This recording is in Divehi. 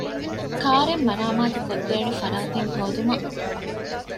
ކާރެއް މަރާމާތުކޮށްދޭނެ ފަރާތެއް ހޯދުމަށް